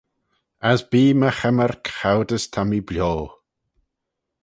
As bee my chymmyrk choud as ta mee bio.